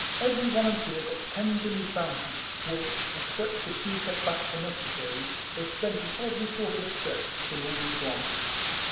Every volunteer got ten guineas bounty, which, except the two kept back for necessaries, they spent in every sort of excess, till all was gone.